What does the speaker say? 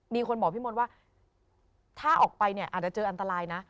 มีคนบอกพี่มนต์ว่าถ้าออกไปเนี่ยอาจจะเจออันตรายนะ